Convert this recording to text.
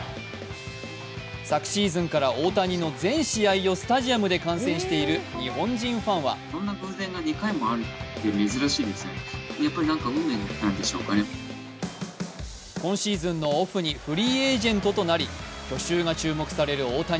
昨シーズンから大谷の全試合をスタジアムで観戦している日本人ファンは今シーズンのオフにフリーエージェントとなり去就が注目される大谷。